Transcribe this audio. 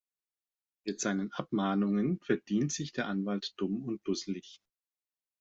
Mit seinen Abmahnungen verdient sich der Anwalt dumm und dusselig.